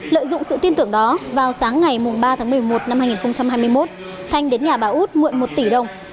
lợi dụng sự tin tưởng đó vào sáng ngày ba tháng một mươi một năm hai nghìn hai mươi một thanh đến nhà bà út mượn một tỷ đồng